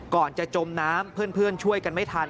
ก่อนจะจมน้ำเพื่อนช่วยกันไม่ทัน